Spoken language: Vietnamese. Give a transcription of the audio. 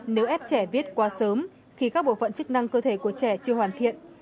nếu ép trẻ viết qua sớm khi các bộ phận chức năng cơ thể của trẻ chưa hoàn thiện